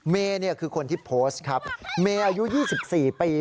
เมฆเนี่ยคือคนที่โพสต์ครับเมฆอายุยี่สิบสี่ปี